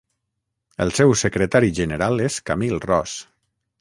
El seu secretari general és Camil Ros.